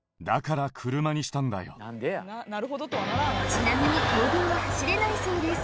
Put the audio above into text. ちなみに公道は走れないそうです